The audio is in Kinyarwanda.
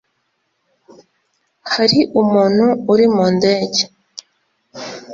hari umuntu uri mu ndege